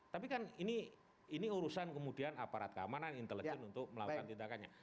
tapi kan ini urusan kemudian aparat keamanan intelijen untuk melakukan tindakannya